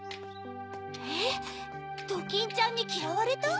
えっドキンちゃんにきらわれた？